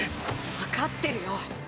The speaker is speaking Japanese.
分かってるよ！